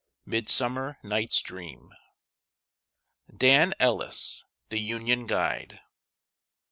MIDSUMMER NIGHT'S DREAM. [Sidenote: DAN ELLIS, THE UNION GUIDE.